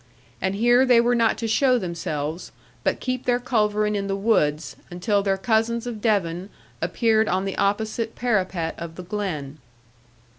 And here they were not to show themselves; but keep their culverin in the woods, until their cousins of Devon appeared on the opposite parapet of the glen.